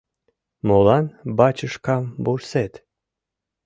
Молан бачышкам вурсет?